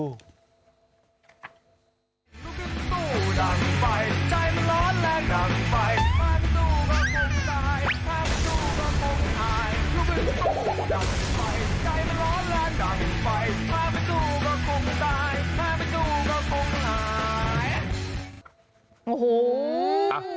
ได้ถ้าไม่ดูก็คงหลาย